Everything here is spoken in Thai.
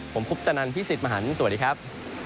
ผมคุปตะนันพี่สิทธิ์มหันฯสวัสดีครับ